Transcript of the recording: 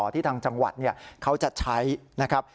ที่ทางจังหวัดเขาจะใช้นะครับ